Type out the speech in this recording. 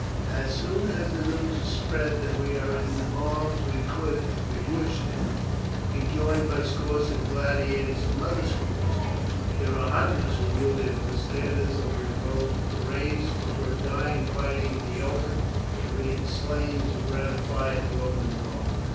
As soon as the news is spread that we are in arms we could, if we wished it, be joined by scores of gladiators from the other schools. There are hundreds who would, if the standard of revolt were raised, prefer dying fighting in the open to being slain to gratify a Roman mob."